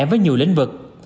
với nhiều lĩnh vực